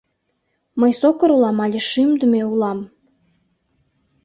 Мый сокыр улам але шӱмдымӧ, улам?..